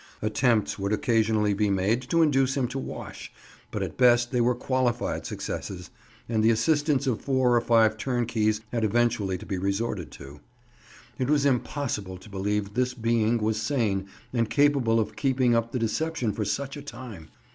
Attempts would occasionally be made to induce him to wash, but at best they were qualified successes, and the assistance of four or five turnkeys had eventually to be resorted to. It was impossible to believe this being was sane and capable of keeping up the deception for such a time.